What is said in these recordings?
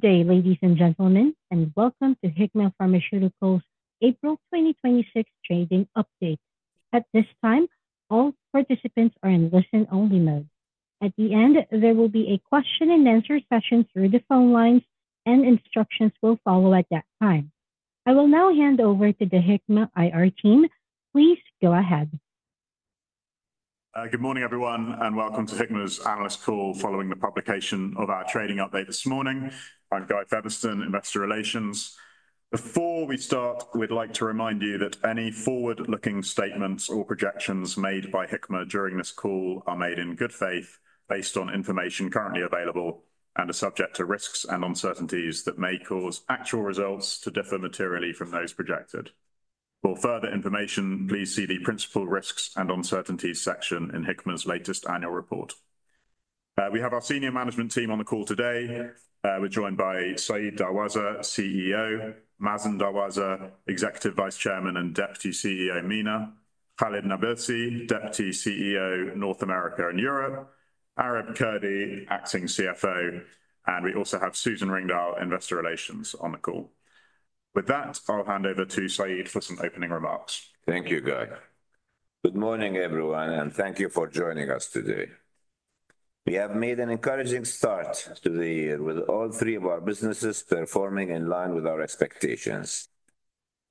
Good day, ladies and gentlemen, and welcome to Hikma Pharmaceuticals' April 2026 trading update. At this time, all participants are in listen-only mode. At the end, there will be a question-and-answer session through the phone lines, and instructions will follow at that time. I will now hand over to the Hikma IR team. Please go ahead. Good morning, everyone, and welcome to Hikma's analyst call following the publication of our trading update this morning. I'm Guy Featherstone, investor relations. Before we start, we'd like to remind you that any forward-looking statements or projections made by Hikma during this call are made in good faith based on information currently available and are subject to risks and uncertainties that may cause actual results to differ materially from those projected. For further information, please see the Principal Risks and Uncertainties section in Hikma's latest annual report. We have our senior management team on the call today. We're joined by Said Darwazah, CEO, Mazen Darwazah, Executive Vice Chairman and Deputy CEO, MENA, Khalid Nabilsi, Deputy CEO, North America and Europe, Areb Kurdi, Acting CFO, and we also have Susan Ringdal, investor relations, on the call. With that, I'll hand over to Said for some opening remarks. Thank you, Guy. Good morning, everyone, and thank you for joining us today. We have made an encouraging start to the year with all three of our businesses performing in line with our expectations.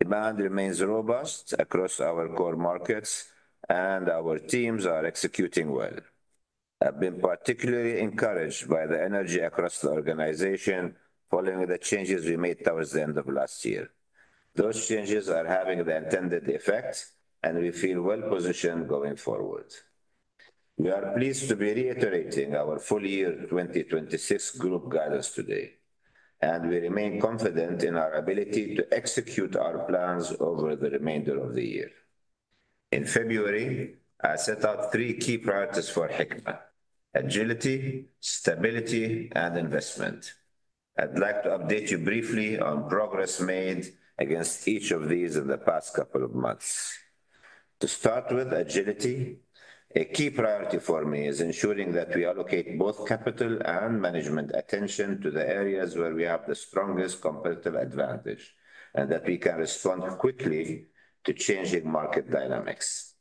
Demand remains robust across our core markets, and our teams are executing well. I've been particularly encouraged by the energy across the organization following the changes we made toward the end of last year. Those changes are having the intended effect, and we feel well-positioned going forward. We are pleased to be reiterating our full year 2026 group guidance today, and we remain confident in our ability to execute our plans over the remainder of the year. In February, I set out three key priorities for Hikma: agility, stability and investment. I'd like to update you briefly on progress made against each of these in the past couple of months. To start with, agility. A key priority for me is ensuring that we allocate both capital and management attention to the areas where we have the strongest competitive advantage, and that we can respond quickly to changing market dynamics.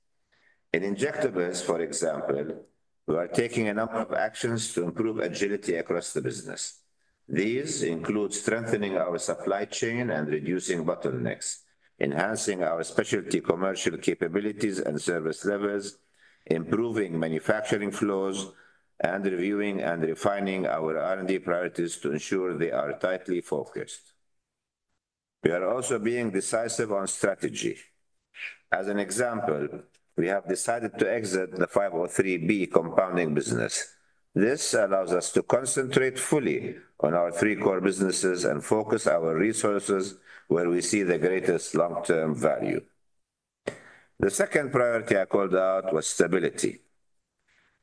In injectables, for example, we are taking a number of actions to improve agility across the business. These include strengthening our supply chain and reducing bottlenecks, enhancing our specialty commercial capabilities and service levels, improving manufacturing flows, and reviewing and refining our R&D priorities to ensure they are tightly focused. We are also being decisive on strategy. As an example, we have decided to exit the 503B compounding business. This allows us to concentrate fully on our three core businesses and focus our resources where we see the greatest long-term value. The second priority I called out was stability.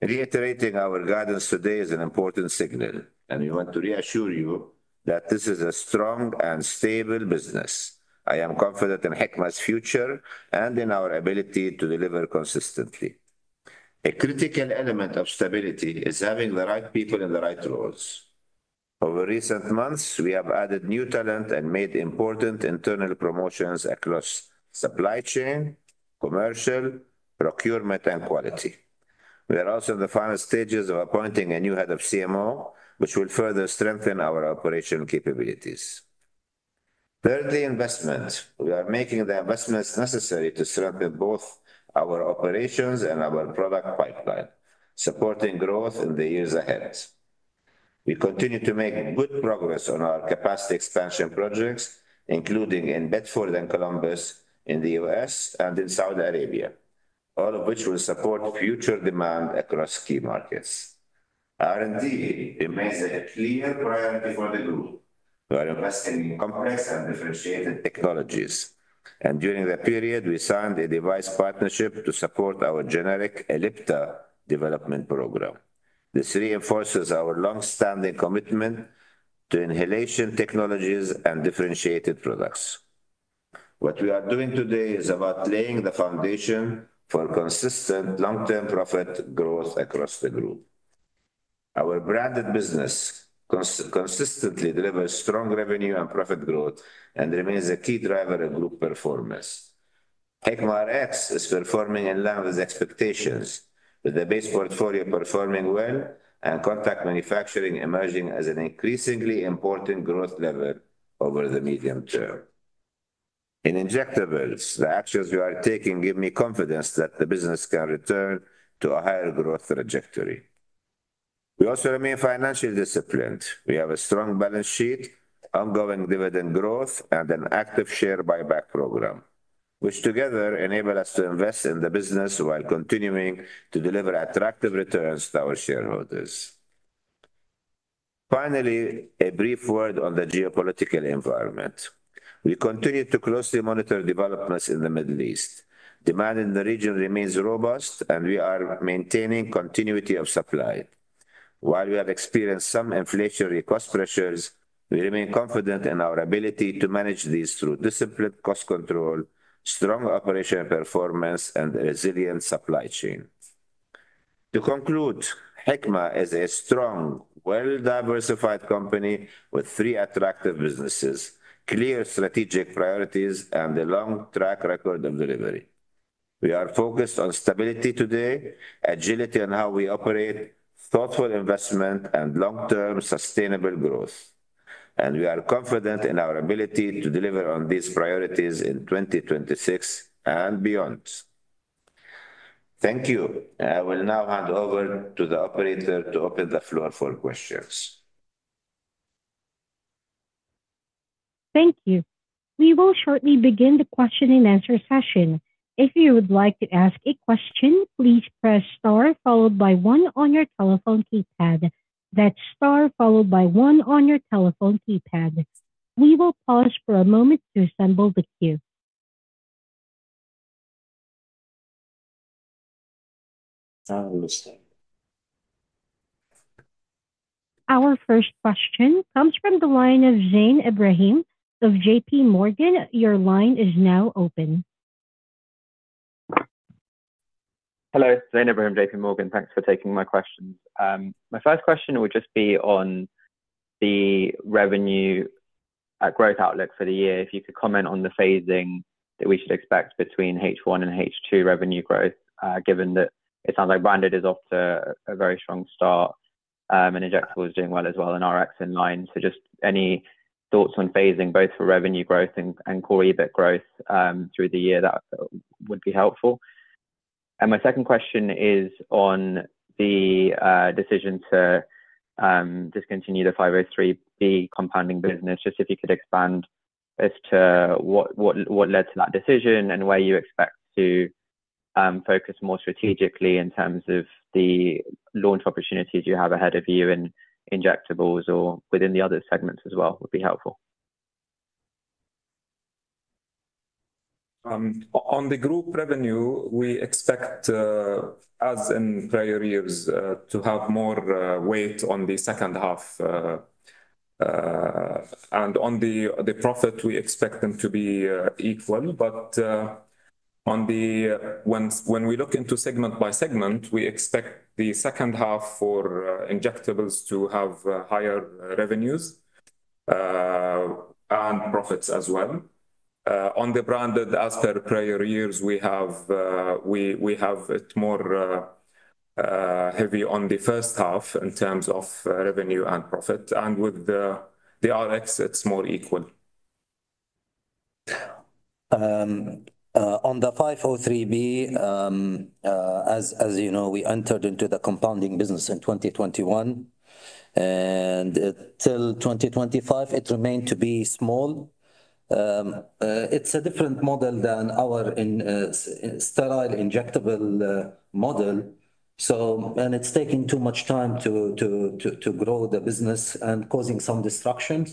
Reiterating our guidance today is an important signal, and we want to reassure you that this is a strong and stable business. I am confident in Hikma's future and in our ability to deliver consistently. A critical element of stability is having the right people in the right roles. Over recent months, we have added new talent and made important internal promotions across supply chain, commercial, procurement, and quality. We are also in the final stages of appointing a new head of CMO, which will further strengthen our operational capabilities. Thirdly, investment. We are making the investments necessary to strengthen both our operations and our product pipeline, supporting growth in the years ahead. We continue to make good progress on our capacity expansion projects, including in Bedford and Columbus in the U.S., and in Saudi Arabia, all of which will support future demand across key markets. R&D remains a clear priority for the group. We are investing in complex and differentiated technologies, and during the period, we signed a device partnership to support our generic Ellipta development program. This reinforces our longstanding commitment to inhalation technologies and differentiated products. What we are doing today is about laying the foundation for consistent long-term profit growth across the group. Our branded business consistently delivers strong revenue and profit growth and remains a key driver in group performance. Hikma Rx is performing in line with expectations, with the base portfolio performing well and contract manufacturing emerging as an increasingly important growth lever over the medium term. In injectables, the actions we are taking give me confidence that the business can return to a higher growth trajectory. We also remain financially disciplined. We have a strong balance sheet, ongoing dividend growth, and an active share buyback program, which together enable us to invest in the business while continuing to deliver attractive returns to our shareholders. Finally, a brief word on the geopolitical environment. We continue to closely monitor developments in the Middle East. Demand in the region remains robust, and we are maintaining continuity of supply. While we have experienced some inflationary cost pressures, we remain confident in our ability to manage these through disciplined cost control, strong operational performance, and a resilient supply chain. To conclude, Hikma is a strong, well-diversified company with three attractive businesses, clear strategic priorities, and a long track record of delivery. We are focused on stability today, agility on how we operate, thoughtful investment, and long-term sustainable growth. We are confident in our ability to deliver on these priorities in 2026 and beyond. Thank you. I will now hand over to the operator to open the floor for questions. Thank you. We will shortly begin the question and answer session. If you would like to ask a question, please press star followed by one on your telephone keypad. That's star followed by one on your telephone keypad. We will pause for a moment to assemble the queue. I understand. Our first question comes from the line of Zain Ebrahim of JPMorgan. Your line is now open. Hello. Zain Ebrahim, JPMorgan. Thanks for taking my questions. My first question would just be on the revenue growth outlook for the year. If you could comment on the phasing that we should expect between H1 and H2 revenue growth, given that it sounds like branded is off to a very strong start, and injectable is doing well as well, and Rx in line. So just any thoughts on phasing, both for revenue growth and core EBIT growth, through the year, that would be helpful. My second question is on the decision to discontinue the 503B compounding business. Just if you could expand as to what led to that decision and where you expect to focus more strategically in terms of the launch opportunities you have ahead of you in injectables or within the other segments as well, would be helpful. On the group revenue, we expect, as in prior years, to have more weight on the second half. On the profit, we expect them to be equal. When we look into segment by segment, we expect the second half for injectables to have higher revenues and profits as well. On the branded, as per prior years, we have it more heavy on the first half in terms of revenue and profit. With the Rx, it's more equal. On the 503B, as you know, we entered into the compounding business in 2021, and till 2025, it remained to be small. It's a different model than our sterile injectable model, and it's taking too much time to grow the business and causing some disruption.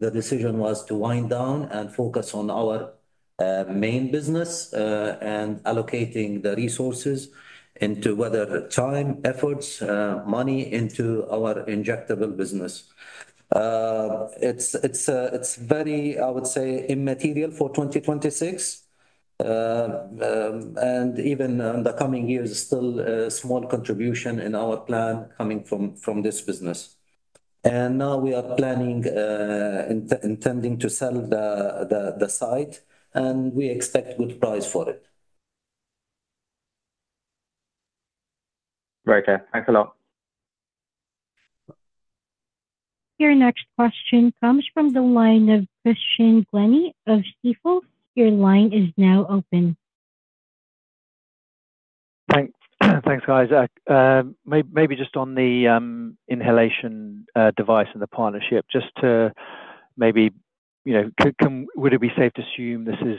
The decision was to wind down and focus on our main business, and allocating the resources in terms of time, efforts, money into our injectable business. It's very, I would say, immaterial for 2026. Even in the coming years, it's still a small contribution in our plan coming from this business. Now we are intending to sell the site, and we expect good price for it. Right. Okay. Thanks a lot. Your next question comes from the line of Christian Glennie of Stifel. Your line is now open. Thanks, guys. Maybe just on the inhalation device and the partnership, would it be safe to assume this is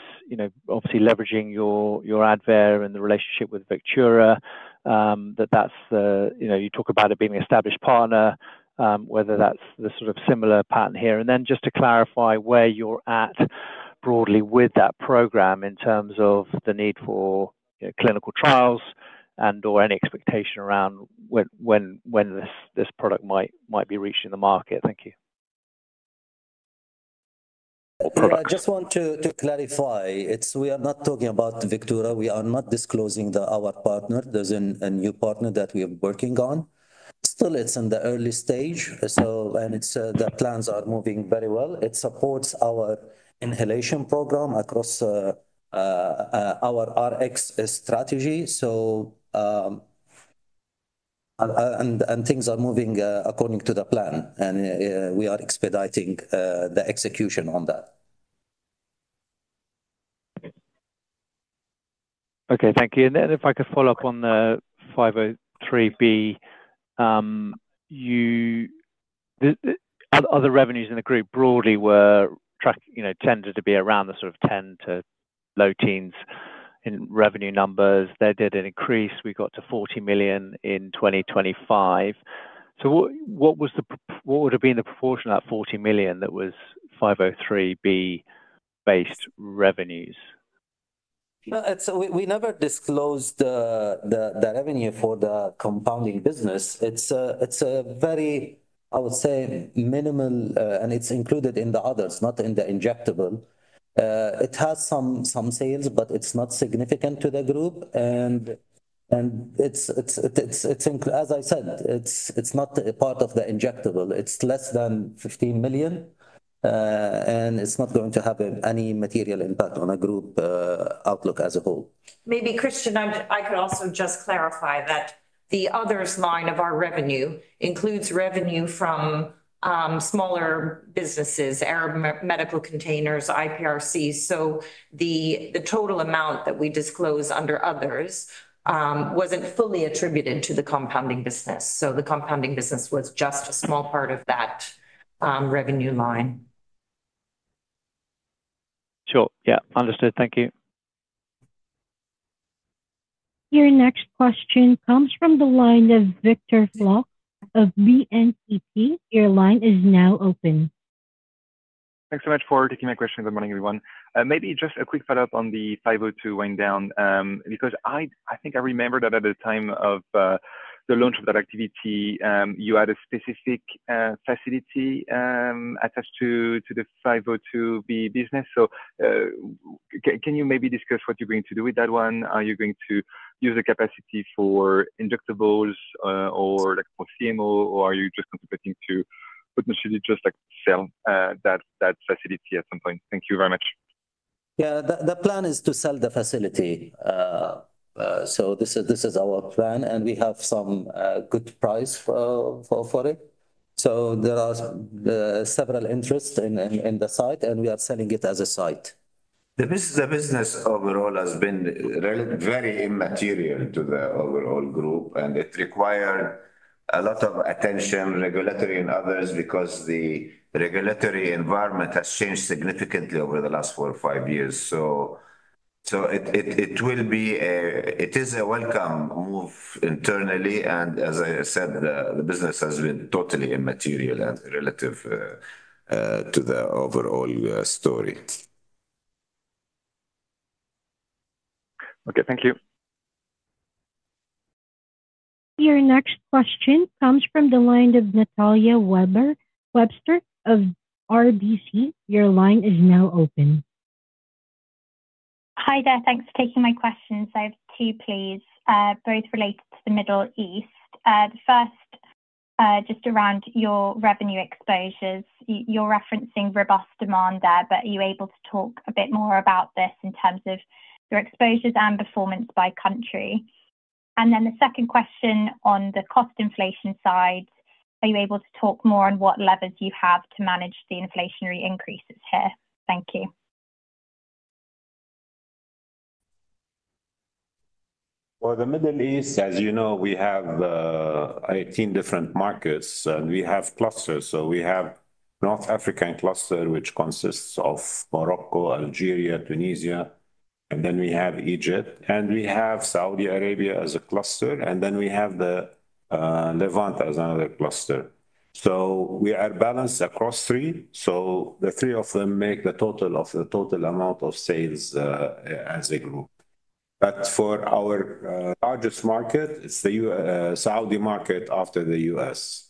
obviously leveraging your Advair and the relationship with Vectura? You talk about it being an established partner, whether that's the sort of similar pattern here. Just to clarify where you're at broadly with that program in terms of the need for clinical trials and/or any expectation around when this product might be reaching the market. Thank you. I just want to clarify, we are not talking about Vectura. We are not disclosing our partner. There's a new partner that we are working on. Still, it's in the early stage, and the plans are moving very well. It supports our inhalation program across our Rx strategy. Things are moving according to the plan, and we are expediting the execution on that. Okay. Thank you. If I could follow up on the 503B. Other revenues in the group broadly tended to be around the sort of 10 to low teens in revenue numbers. There was an increase. We got to $40 million in 2025. What would have been the proportion of that $40 million that was 503B-based revenues? We never disclosed the revenue for the compounding business. It's very minimal, and it's included in the others, not in the injectable. It has some sales, but it's not significant to the group. As I said, it's not a part of the injectable. It's less than $15 million, and it's not going to have any material impact on the group outlook as a whole. Maybe Christian, I could also just clarify that the Others line of our revenue includes revenue from smaller businesses, Arab Medical Containers, IPRCs. The total amount that we disclose under Others wasn't fully attributed to the compounding business. The compounding business was just a small part of that revenue line. Sure, yeah. Understood. Thank you. Your next question comes from the line of Victor Floc'h of BNPP. Your line is now open. Thanks so much for taking my question. Good morning, everyone. Maybe just a quick follow-up on the 503B winding down, because I think I remember that at the time of the launch of that activity, you had a specific facility attached to the 503B business. Can you maybe discuss what you're going to do with that one? Are you going to use the capacity for injectables or for CMO? Or are you just considering to potentially just sell that facility at some point? Thank you very much. Yeah. The plan is to sell the facility. This is our plan, and we have some good price for it. There are several interests in the site, and we are selling it as a site. The business overall has been very immaterial to the overall group, and it required a lot of attention, regulatory and others, because the regulatory environment has changed significantly over the last four or five years. It is a welcome move internally, and as I said, the business has been totally immaterial and relative to the overall story. Okay, thank you. Your next question comes from the line of Natalia Webster of RBC. Your line is now open. Hi there. Thanks for taking my questions. I have two, please, both related to the Middle East. The first, just around your revenue exposures. You're referencing robust demand there, but are you able to talk a bit more about this in terms of your exposures and performance by country? The second question on the cost inflation side, are you able to talk more on what levers you have to manage the inflationary increases here? Thank you. For the Middle East, as you know, we have 18 different markets and we have clusters. We have North African cluster, which consists of Morocco, Algeria, Tunisia, and then we have Egypt, and we have Saudi Arabia as a cluster, and then we have the Levant as another cluster. We are balanced across three. The three of them make the total of the total amount of sales as a group. For our largest market, it's the Saudi market after the U.S.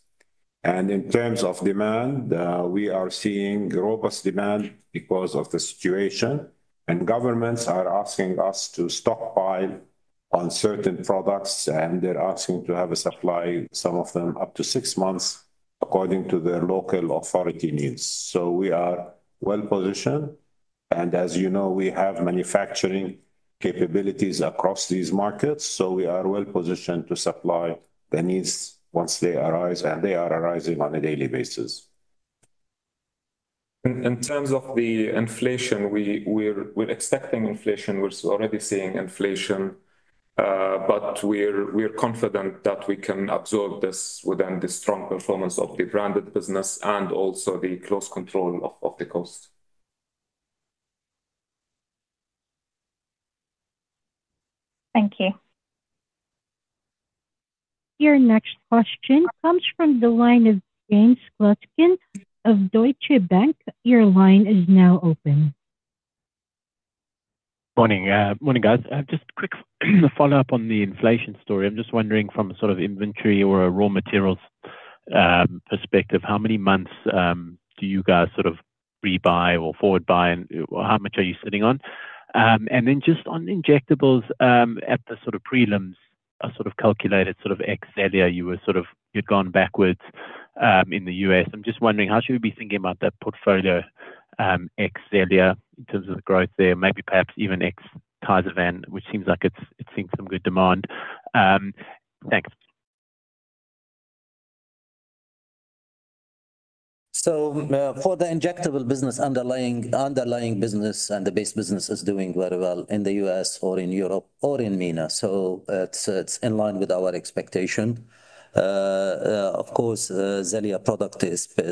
In terms of demand, we are seeing robust demand because of the situation and governments are asking us to stockpile on certain products, and they're asking to have a supply, some of them up to six months according to their local authority needs. We are well-positioned and as you know, we have manufacturing capabilities across these markets, so we are well-positioned to supply the needs once they arise, and they are arising on a daily basis. In terms of the inflation, we're expecting inflation. We're already seeing inflation, but we're confident that we can absorb this within the strong performance of the branded business and also the close control of the cost. Thank you. Your next question comes from the line of Kane Slutzkin of Deutsche Bank. Your line is now open. Morning, guys. Just a quick follow-up on the inflation story. I'm just wondering from an inventory or a raw materials perspective, how many months do you guys rebuy or forward buy and how much are you sitting on? Just on injectables, at the prelims are sort of calculated ex Xellia, you'd gone backwards in the U.S. I'm just wondering how should we be thinking about that portfolio, ex Xellia, in terms of the growth there, maybe perhaps even ex Tysabri, which seems like it's seeing some good demand. Thanks. For the injectable business, underlying business and the base business is doing very well in the U.S. or in Europe or in MENA. It's in line with our expectation. Of course, Xellia product,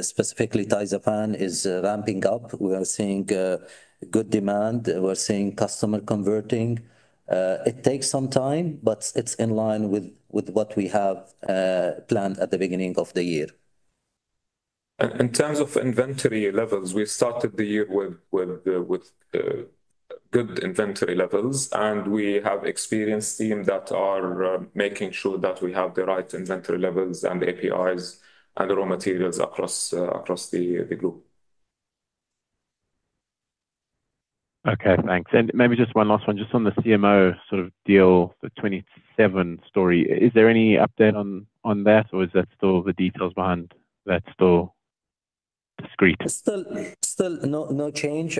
specifically Tysabri, is ramping up. We are seeing good demand. We're seeing customer converting. It takes some time, but it's in line with what we have planned at the beginning of the year. In terms of inventory levels, we started the year with good inventory levels, and we have experienced teams that are making sure that we have the right inventory levels and APIs and raw materials across the group. Okay, thanks. Maybe just one last one just on the CMO sort of deal, the 2027 story. Is there any update on that or are the details behind that still discreet? Still no change.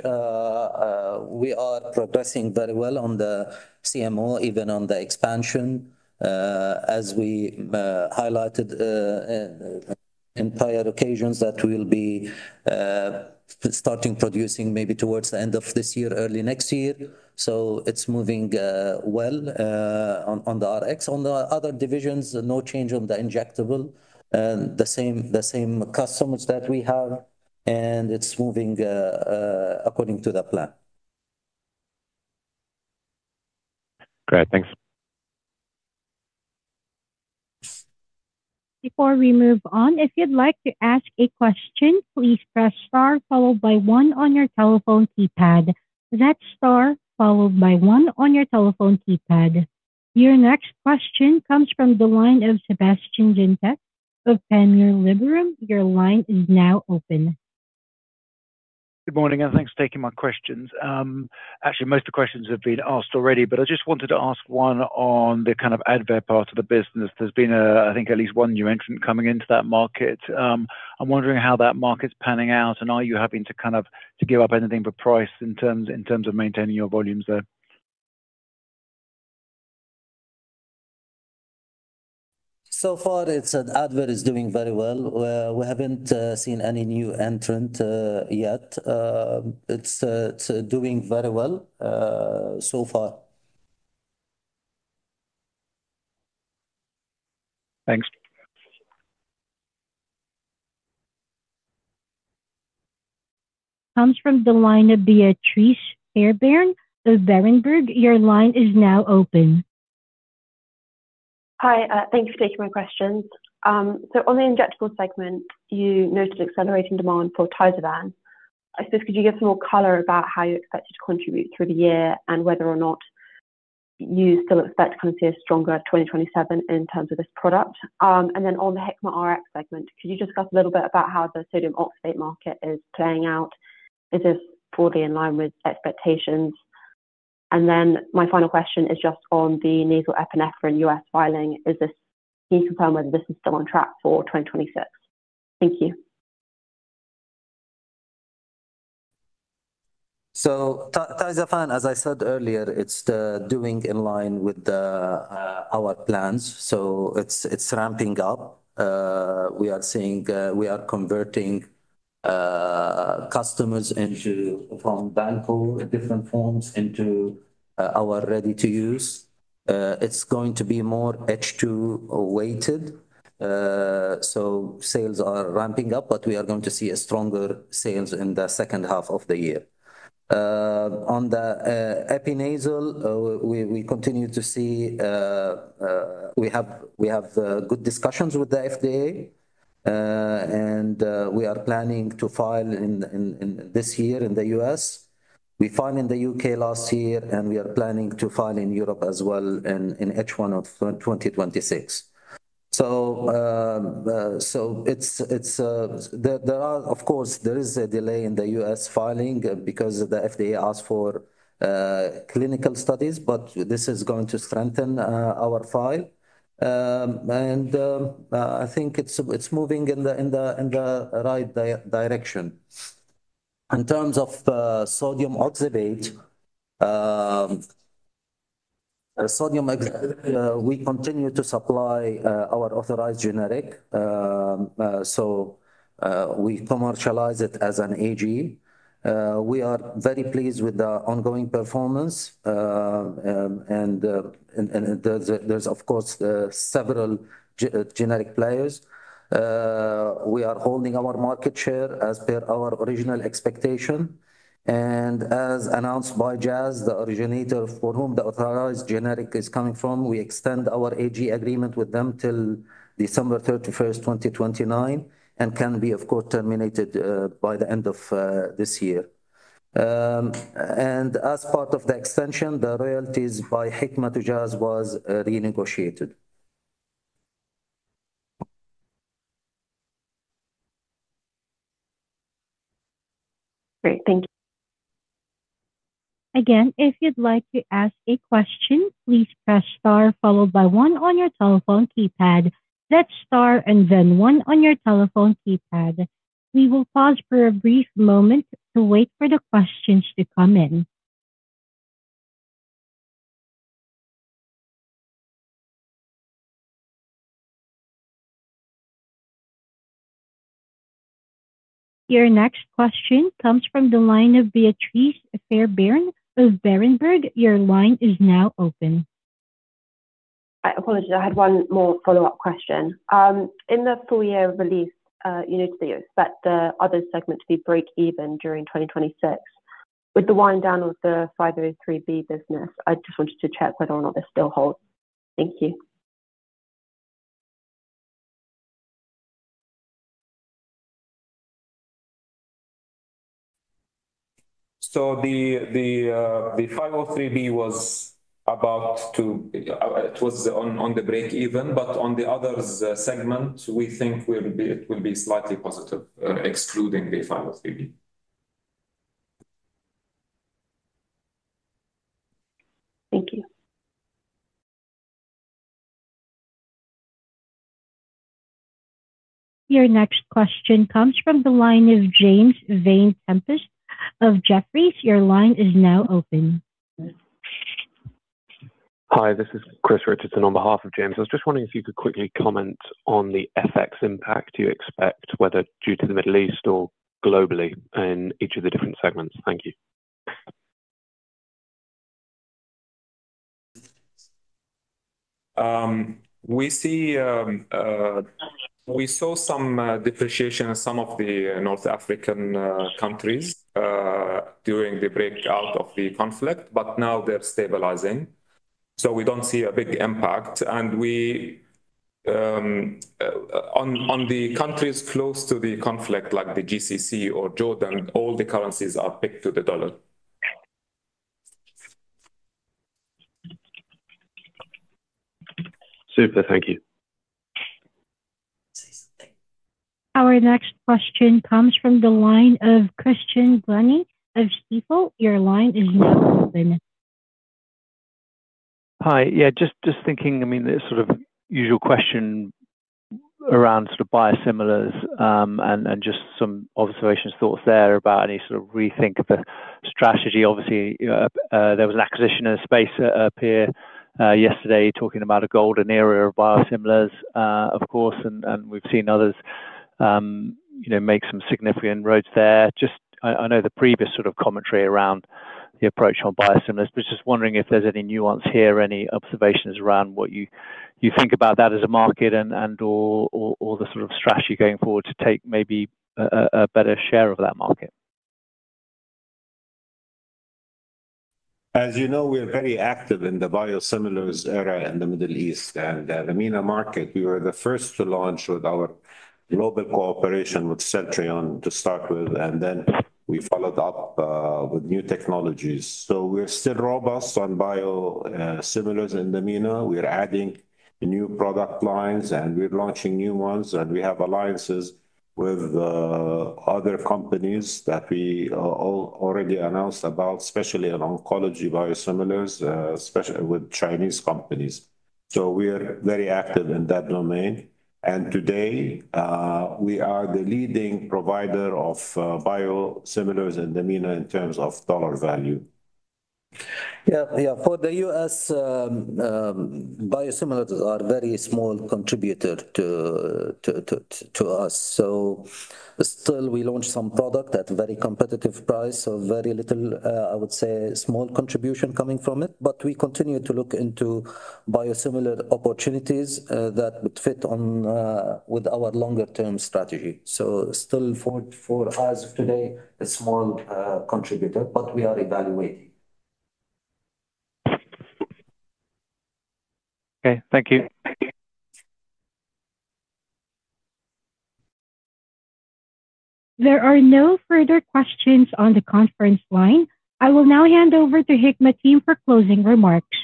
We are progressing very well on the CMO, even on the expansion, as we highlighted in prior occasions that we'll be starting producing maybe towards the end of this year, early next year. It's moving well on the Rx. On the other divisions, no change on the injectable. The same customers that we have, and it's moving according to the plan. Great. Thanks. Before we move on, if you'd like to ask a question, please press star followed by one on your telephone keypad. That's star followed by one on your telephone keypad. Your next question comes from the line of Sebastien Jantet of Panmure Liberum. Your line is now open. Good morning, and thanks for taking my questions. Actually, most of the questions have been asked already, but I just wanted to ask one on the kind of Advair part of the business. There's been, I think, at least one new entrant coming into that market. I'm wondering how that market's panning out, and are you having to give up anything but price in terms of maintaining your volumes there? So far, Advair is doing very well. We haven't seen any new entrant yet. It's doing very well so far. Thanks. Comes from the line of Beatrice Fairbairn of Berenberg. Your line is now open. Hi. Thank you for taking my questions. On the injectable segment, you noted accelerating demand for TYZAVAN. I suppose could you give some more color about how you expect it to contribute through the year and whether or not you still expect to kind of see a stronger 2027 in terms of this product? On the Hikma Rx segment, could you discuss a little bit about how the sodium oxybate market is playing out? Is this broadly in line with expectations? My final question is just on the nasal epinephrine U.S. filing. Can you confirm whether this is still on track for 2026? Thank you. TYZAVAN, as I said earlier, it's doing in line with our plans. It's ramping up. We are converting customers from bulk pool, different forms, into our ready-to-use. It's going to be more H2-weighted. Sales are ramping up, but we are going to see stronger sales in the second half of the year. On the epinephrine nasal spray, we have good discussions with the FDA, and we are planning to file this year in the U.S. We filed in the U.K. last year, and we are planning to file in Europe as well in H1 of 2026. There is a delay in the U.S. filing because the FDA asked for clinical studies, but this is going to strengthen our file. I think it's moving in the right direction. In terms of sodium oxybate, we continue to supply our authorized generic, so we commercialize it as an AG. We are very pleased with the ongoing performance. There's, of course, several generic players. We are holding our market share as per our original expectation. As announced by Jazz, the originator for whom the authorized generic is coming from, we extend our AG agreement with them till December 31st, 2029, and can be, of course, terminated by the end of this year. As part of the extension, the royalties by Hikma to Jazz was renegotiated. Great. Thank you. Again, if you'd like to ask a question, please press star followed by one on your telephone keypad. That's star and then one on your telephone keypad. We will pause for a brief moment to wait for the questions to come in. Your next question comes from the line of Beatrice Fairbairn of Berenberg. Your line is now open. I apologize. I had one more follow-up question. In the full-year release, you noted that you expect the other segment to be break even during 2026. With the wind down of the 503B business, I just wanted to check whether or not this still holds? Thank you. The 503B was on the break-even, but on the other segment, we think it will be slightly positive, excluding the 503B. Thank you. Your next question comes from the line of James Vane-Tempest of Jefferies. Your line is now open. Hi, this is Chris Richardson on behalf of James. I was just wondering if you could quickly comment on the FX impact you expect, whether due to the Middle East or globally in each of the different segments. Thank you. We saw some depreciation in some of the North African countries during the breakout of the conflict, but now they're stabilizing. We don't see a big impact. On the countries close to the conflict, like the GCC or Jordan, all the currencies are pegged to the dollar Super. Thank you. Our next question comes from the line of Christian Glennie of Stifel. Your line is now open. Hi. Yeah, just thinking, the sort of usual question around biosimilars and just some observations, thoughts there about any sort of rethink of the strategy. Obviously, there was an acquisition in the space up here yesterday talking about a golden era of biosimilars, of course, and we've seen others make some significant inroads there. Just, I know the previous commentary around the approach on biosimilars, but just wondering if there's any nuance here, any observations around what you think about that as a market and/or the sort of strategy going forward to take maybe a better share of that market. As you know, we are very active in the biosimilars era in the Middle East and the MENA market. We were the first to launch with our global cooperation with Celltrion to start with, and then we followed up with new technologies. We're still robust on biosimilars in the MENA. We're adding new product lines, and we're launching new ones, and we have alliances with other companies that we already announced about, especially on oncology biosimilars, especially with Chinese companies. We are very active in that domain. Today, we are the leading provider of biosimilars in the MENA in terms of dollar value. Yeah. For the U.S., biosimilars are a very small contributor to us. Still, we launched some product at a very competitive price. Very little, I would say, small contribution coming from it. We continue to look into biosimilar opportunities that would fit with our longer-term strategy. Still for us today, a small contributor, but we are evaluating. Okay, thank you. There are no further questions on the conference line. I will now hand over to Hikma team for closing remarks.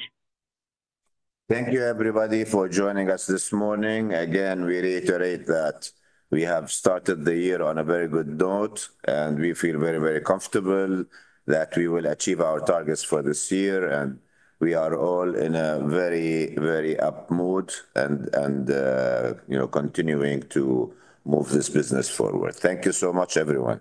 Thank you, everybody, for joining us this morning. Again, we reiterate that we have started the year on a very good note, and we feel very comfortable that we will achieve our targets for this year. We are all in a very up mood and continuing to move this business forward. Thank you so much, everyone.